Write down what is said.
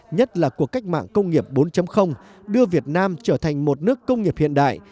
nhất là cuộc cách mạng công nghiệp bốn đưa việt nam trở thành một nước công nghiệp hiện đại